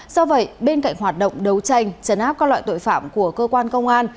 do vậy bên cạnh hoạt động đấu tranh chấn áp các loại tội phạm của cơ quan công an